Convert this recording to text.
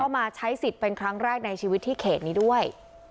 มาใช้สิทธิ์เป็นครั้งแรกในชีวิตที่เขตนี้ด้วย